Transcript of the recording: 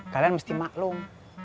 kalian mesti maklum